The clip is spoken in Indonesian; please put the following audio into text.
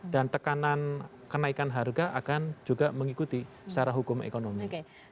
dan tekanan kenaikan harga akan juga mengikuti secara hukum ekonomi